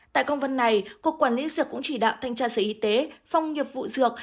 tại công văn này cục quản lý dược cũng chỉ đạo thanh tra sở y tế phòng nghiệp vụ dược